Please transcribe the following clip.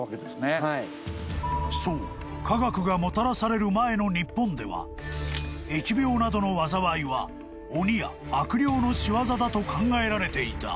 ［そう科学がもたらされる前の日本では疫病などの災いは鬼や悪霊の仕業だと考えられていた］